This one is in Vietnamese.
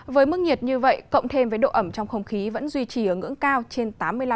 với mức nhiệt như vậy cộng thêm với độ ẩm trong không khí vẫn duy trì ở ngưỡng cao trên tám mươi năm